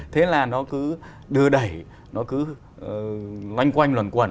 thế là nó cứ đưa đẩy nó cứ loanh quanh luận quẩn